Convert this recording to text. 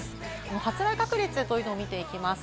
発雷確率を見ていきます。